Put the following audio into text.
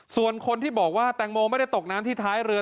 ส่วนคนที่บอกว่าแตงโมไม่ได้ตกน้ำที่ท้ายเรือ